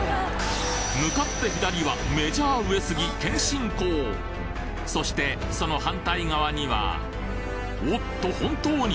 向かって左はメジャーそしてその反対側にはおっと本当に！